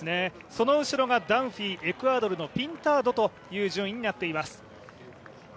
その後ろがダンフィーエクアドルのピンタードという順位になっています。